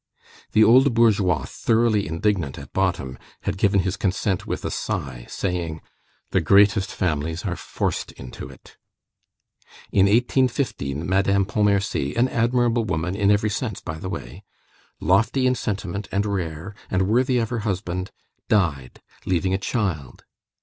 The old bourgeois, thoroughly indignant at bottom, had given his consent with a sigh, saying: "The greatest families are forced into it." In 1815, Madame Pontmercy, an admirable woman in every sense, by the way, lofty in sentiment and rare, and worthy of her husband, died, leaving a child.